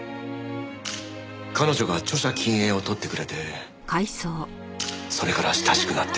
彼女が著者近影を撮ってくれてそれから親しくなって。